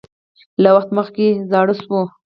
له وخت مخکې زاړه شو